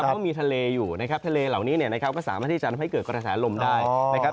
ก็มีทะเลอยู่นะครับทะเลเหล่านี้เนี่ยนะครับก็สามารถที่จะทำให้เกิดกระแสลมได้นะครับ